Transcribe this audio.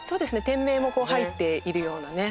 店名も入っているようなね